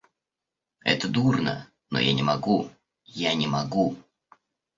Это дурно, но я не могу, я не могу.